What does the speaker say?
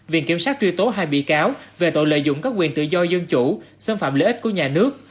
viện kiểm sát truy tố hai bị cáo về tội lợi dụng các quyền tự do dân chủ xâm phạm lợi ích của nhà nước